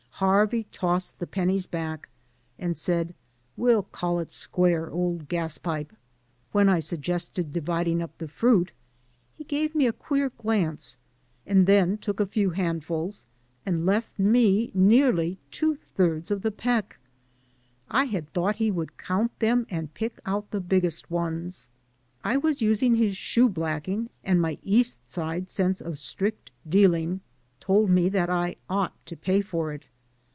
Harvey tossed the pennies back and said, "We'll call it square, old gas pipe." When I suggested dividing up the fruit he gave me a queer glance and then took a few handf uls and left me nearly two thirds of the peck. I had thought he would count them and pick out the biggest ones. I was using his shoe blacking and my East Side sense of strict dealing told me that I ought to pay for it.